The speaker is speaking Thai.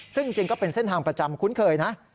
ซึ่งจริงก็เป็นเส้นทางประจำคุ้นเคยนะ